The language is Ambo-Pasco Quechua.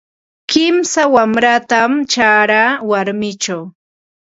Kimsa wanratam charaa warmichaw.